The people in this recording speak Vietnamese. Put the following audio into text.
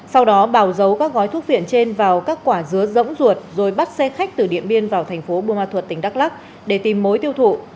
sau đó bảo giấu các gói thuốc viện trên vào các quả dứa rỗng ruột rồi bắt xe khách từ điện biên vào thành phố bùa thuật tỉnh đắk lắc để tìm mối tiêu thụ